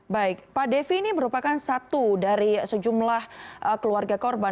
baik pak devi ini merupakan satu dari sejumlah keluarga korban